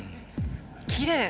きれい。